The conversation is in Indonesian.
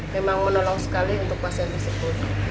memang menolong sekali untuk pasien tersebut